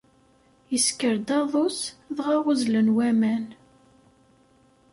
Issker-d aḍu-s, dɣa uzzlen waman.